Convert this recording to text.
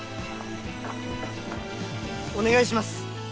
お願いします！